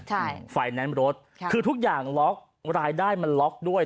ใช่ไฟแนนซ์รถค่ะคือทุกอย่างล็อกรายได้มันล็อกด้วย